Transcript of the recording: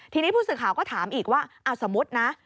ทีนี้ผู้สื่อข่าวก็ถามอีกว่าสมมุตินะ